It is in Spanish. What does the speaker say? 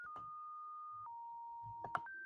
Trabajó extensamente en Royal Botanic Gardens, Kew.